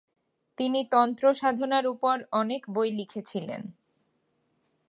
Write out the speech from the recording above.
তিনি তন্ত্রসাধনার ওপর অনেক বই লিখেছিলেন।